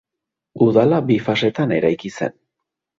Udala bi fasetan eraiki zen.